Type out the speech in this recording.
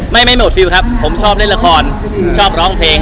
ไม่ไม่หมดฟิลครับผมชอบเล่นละครชอบร้องเพลง